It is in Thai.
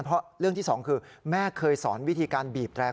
เพราะเรื่องที่สองคือแม่เคยสอนวิธีการบีบแรง